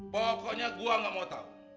pokoknya gua gak mau tau